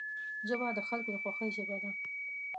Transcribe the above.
ژبه د خلکو د خوښۍ ژبه ده